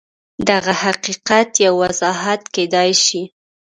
دغه حقیقت یو وضاحت کېدای شي